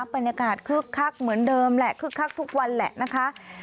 บรรยากาศคลึกคลักเหมือนเดิมแหละคลึกคลักทุกวันแหละนะคะ